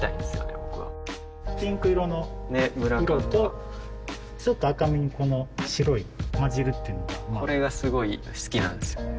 僕はピンク色の色とねムラ感が・ちょっと赤みにこの白いまじるっていうのがまあこれがすごい好きなんですよね